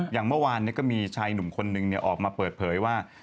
อย่างเมื่อวานก็มีชายหนุ่มคนนึงออกมาเปิดเผยว่า